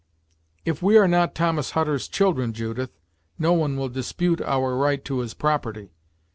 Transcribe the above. "If we are not Thomas Hutter's children, Judith, no one will dispute our right to his property.